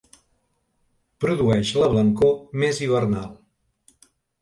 Produeix la blancor més hivernal.